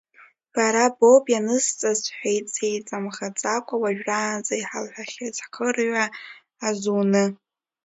Бара боуп ианызҵаз, – сҳәеит сеиҵамхаӡакәа, уажәраанӡа иҳалҳәахьаз хырҩа азуны.